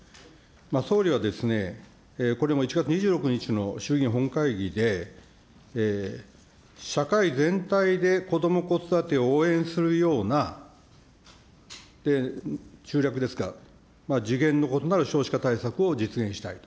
総理はですね、これ１月２６日の衆議院本会議で、社会全体でこども・子育てを応援するような、中略ですが、次元の異なる少子化対策を実現したいと。